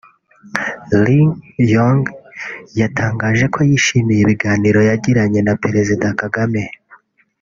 Li Yong yatangaje ko yishimiye ibiganiro yagiranye na Perezida Kagame